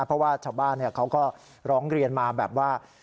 เพราะว่าชาวบ้านเขาก็ร้องเรียนมาแบบว่า